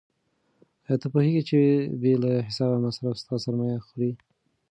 آیا ته پوهېږې چې بې له حسابه مصرف ستا سرمایه خوري؟